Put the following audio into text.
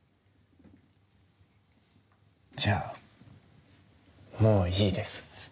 じゃあもういいです。